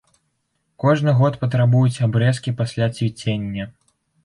Кожны год патрабуюць абрэзкі пасля цвіцення.